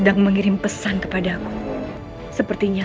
jangan lagi membuat onar di sini